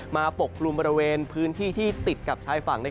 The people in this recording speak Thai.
ปกกลุ่มบริเวณพื้นที่ที่ติดกับชายฝั่ง